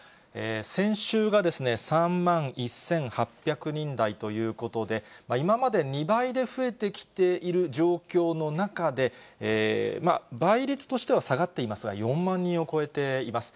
先週が３万１８００人台ということで、今まで２倍で増えてきている状況の中で、倍率としては下がっていますが、４万人を超えています。